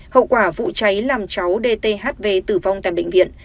hậu quả vụ cháy làm cháu dt hv tử vong tại bệnh viện